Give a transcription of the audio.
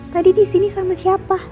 tadi di sini sama siapa